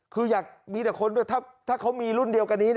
คืออยากมีแต่คนด้วยถ้าเขามีรุ่นเดียวกันนี้